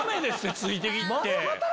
ついて行って。